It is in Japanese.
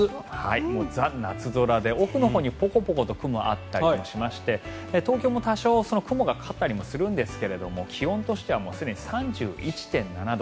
ザ・夏空で奥のほうにポコポコと雲があったりもしまして東京も多少、雲がかかったりもするんですが気温としてはすでに３１．７度。